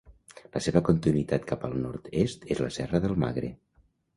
La seva continuïtat cap al nord-est és la Serra del Magre.